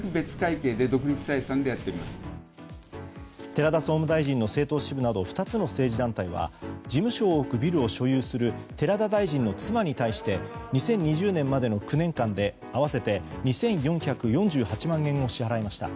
寺田総務大臣の政党支部など２つの政治団体は事務所を置くビルを所有する寺田大臣の妻に対して２０２０年までの９年間で合わせて２４４８万円を支払いました。